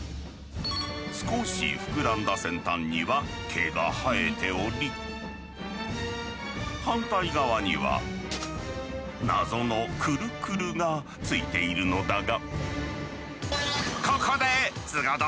少し膨らんだ先端には毛が生えており反対側には謎のクルクルがついているのだが。